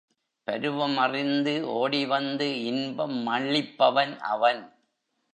பருவம் அறிந்து ஓடி வந்து இன்பம் அளிப்பவன் அவன்.